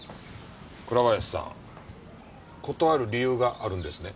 倉林さん断る理由があるんですね？